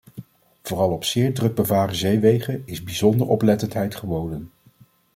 Vooral op zeer druk bevaren zeewegen is bijzonder oplettendheid geboden.